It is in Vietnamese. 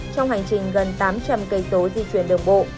trong hành trình gần tám trăm linh cây số di chuyển đường bộ